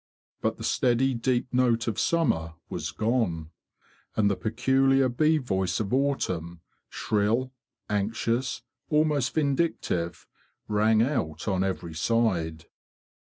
But the steady deep note of summer was gone; and the peculiar bee voice of autumn—shrill, anxious, almost vindictive—rang out on every side.